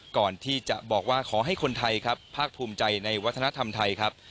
ก่อนที่จะบอกว่าขอให้คนไทยครับภาคภูมิใจในวัฒนธรรมไทยครับ